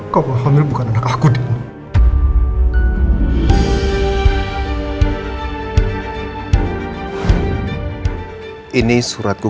kamu hamil bukan anak aku dino